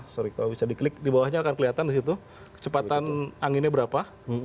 sorry kalau bisa diklik di bawahnya akan kelihatan di situ kecepatan anginnya berapa